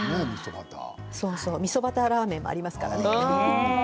みそバターラーメンもありますよね。